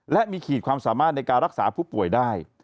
และมีขีดความสามารถในการรักษาผู้ป่วยได้